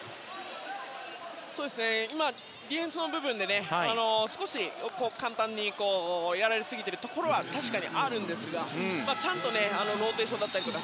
今、ディフェンスの部分で少し簡単にやられすぎているところは確かにあるんですがちゃんとローテーションだったりも